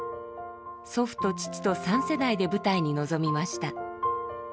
祖父と父と三世代で舞台に臨みました。